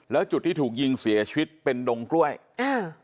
แล้วจุดที่ถูกยิงเสียชีวิตเป็นดงกล้วยอ่า